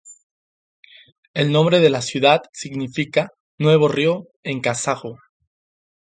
El nombre de la ciudad significa "nuevo río" en kazajo.